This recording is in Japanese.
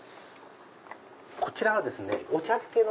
こちらはお茶漬けの。